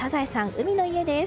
海の家です。